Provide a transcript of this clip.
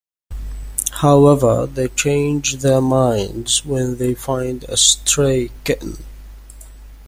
However, they change their minds when they find a stray kitten.